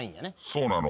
そうなの。